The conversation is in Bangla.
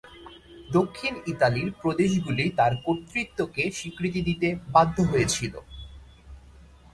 দক্ষিণ ইতালির প্রদেশগুলি তার কর্তৃত্বকে স্বীকৃতি দিতে বাধ্য হয়েছিল।